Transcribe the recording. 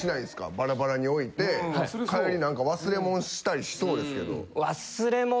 バラバラに置いて帰り何か忘れ物したりしそうですけど。